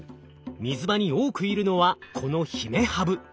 水場に多くいるのはこのヒメハブ。